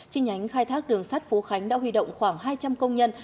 chính nhánh khai thác đường sắt phú khánh đã huy động khoảng hai trăm linh công nhân